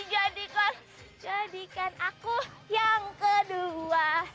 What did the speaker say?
jadikan aku yang kedua